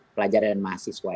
pelajar dan mahasiswa